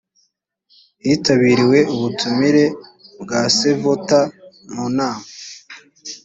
hitabiriwe ubutumire bwa sevota mu nama.